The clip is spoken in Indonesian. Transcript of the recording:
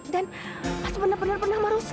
dan mas benar benar penama rusli